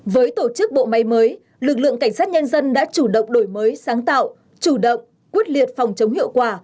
với tổ chức bộ máy mới lực lượng cảnh sát nhân dân đã chủ động đổi mới sáng tạo chủ động quyết liệt phòng chống hiệu quả